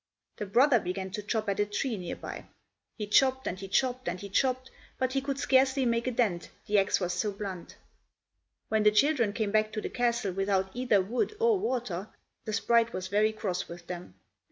The brother began to chop at a tree near by. He chopped and he chopped and he chopped, but he could scarcely make a dent, the ax was so blunt. When the children came back to the castle without either wood or water, the sprite was very cross with them.